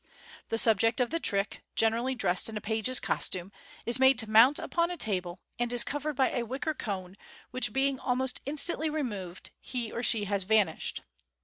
The subject of the trick, generally dressed in a page's costume, is made to mount upon a table, and is covered by a wicker cone, which being almost instantly removed, he or she has vanished.